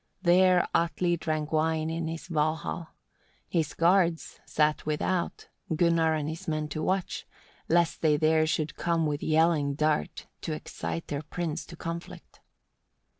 There Atli drank wine in his Valhall: his guards sat without, Gunnar and his men to watch, lest they there should come with yelling dart, to excite their prince to conflict.